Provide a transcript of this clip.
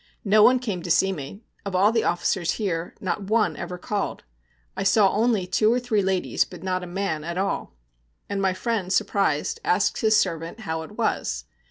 No one came to see me; of all the officers here, not one ever called. I saw only two or three ladies, but not a man at all.' And my friend, surprised, asked his servant how it was.